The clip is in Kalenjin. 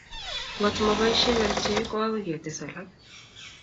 Ngot maboishei kerichek, ko akoi ketes alak